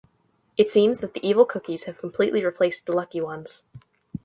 It seems that the evil cookies have completely replaced the lucky ones.